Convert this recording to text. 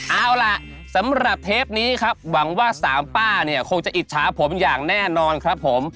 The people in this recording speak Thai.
เอาล่ะสำหรับเทปนี้ครับหวังว่าสามป้าเนี่ยคงจะอิจฉาผมอย่างแน่นอนครับผม